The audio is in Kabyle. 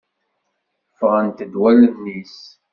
Ffɣent-d wallen-is!